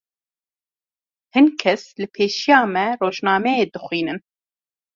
Hin kes li pêşiya me rojnameyê dixwînin.